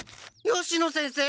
吉野先生！